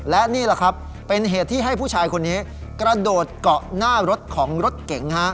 และนี่แหละครับเป็นเหตุที่ให้ผู้ชายคนนี้กระโดดเกาะหน้ารถของรถเก๋ง